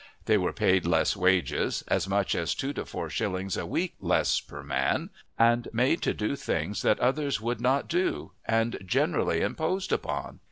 They were paid less wages as much as two to four shillings a week less per man and made to do things that others would not do, and generally imposed upon.